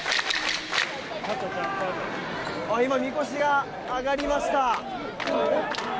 今、みこしが上がりました。